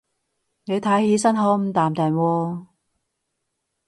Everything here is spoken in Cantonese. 你睇起身好唔淡定喎